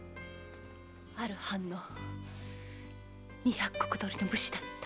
ある藩の二百石取りの武士だった。